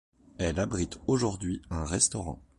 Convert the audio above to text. Elle abrite aujourd'hui un restaurant.